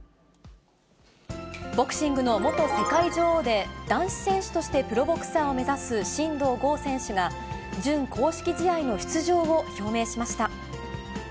ボクシングの元世界女王で、男子選手としてプロボクサーを目指す真道ゴー選手が、準公式試合の出場を表明しました。